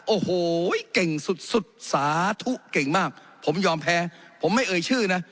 โอ้โหเก่งสุดสุดสาธุเก่งมากผมยอมแพ้ผมไม่เอ่ยชื่อนะ